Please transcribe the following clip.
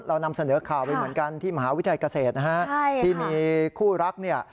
เรานำเสนอข่าวไปเหมือนกันที่มหาวิทยาลัยเกษตรนะฮะใช่ที่มีคู่รักเนี่ย